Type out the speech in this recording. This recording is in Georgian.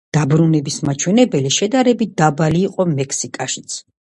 დაბრუნების მაჩვენებელი შედარებით დაბალი იყო მექსიკაშიც.